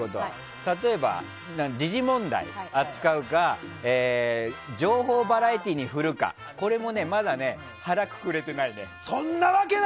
例えば、時事問題扱うか情報バラエティーに振るかもまだそんなわけない！